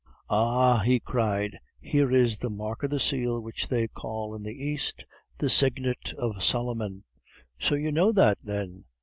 "Ah," he cried, "here is the mark of the seal which they call in the East the Signet of Solomon." "So you know that, then?"